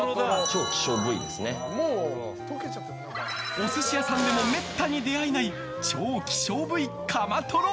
お寿司屋さんでもめったに出会えない超希少部位カマトロ。